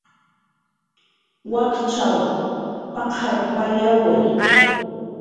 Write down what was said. "Wakchaw p""aqarpayawi "